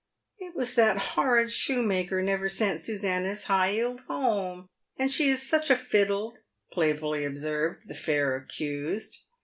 " It was that horrid shoemaker never sent Susannah's high 'eeled home ; and she is such a fiddle," playfully observed the fair accused.